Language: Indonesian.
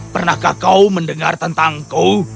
pernahkah kau mendengar tentangku